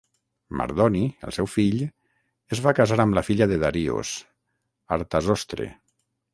Mardoni, el seu fill, es va casar amb la filla de Darios, Artazostre.